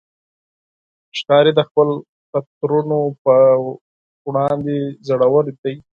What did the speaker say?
ښکاري د خطرونو پر وړاندې زړور دی.